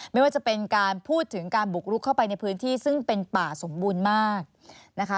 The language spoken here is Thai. ไม่ว่าจะเป็นการพูดถึงการบุกลุกเข้าไปในพื้นที่ซึ่งเป็นป่าสมบูรณ์มากนะคะ